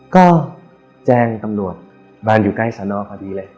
ก็แจ้งตำรวจบ้านอยู่ใกล้สนพอดีเลย